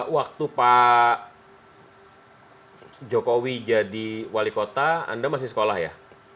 waktu pak jokowi jadi wali kota anda masih sekolah ya